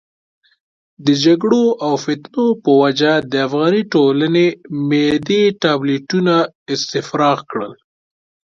د جګړو او فتنو په وجه د افغاني ټولنې معدې ټابلیتونه استفراق کړل.